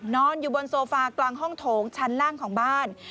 นอนอยู่บนโซฟากลางห้องโถงชั้นล่างของบ้าน